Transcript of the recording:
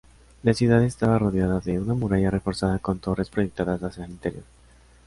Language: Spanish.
La ciudad estaba rodeada de una muralla reforzada con torres proyectadas hacia el interior.